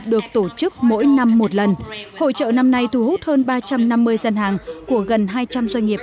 được tổ chức mỗi năm một lần hội trợ năm nay thu hút hơn ba trăm năm mươi dân hàng của gần hai trăm linh doanh nghiệp